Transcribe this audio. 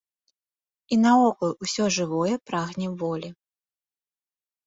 І наогул, усё жывое прагне волі.